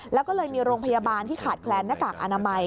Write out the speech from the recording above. แล้วก็เลยมีโรงพยาบาลที่ขาดแคลนหน้ากากอนามัย